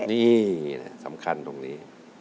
นี่สำคัญตรงนี้